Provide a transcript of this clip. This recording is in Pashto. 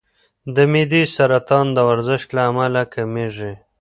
د معدې سرطان د ورزش له امله کمېږي.